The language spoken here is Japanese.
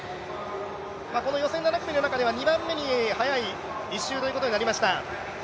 予選７組の中では２番目に速い１周ということになりました。